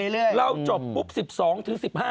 เราจบปุ๊บ๑๒๑๕